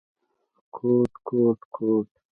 کوټ، کوټ ، کوټ ….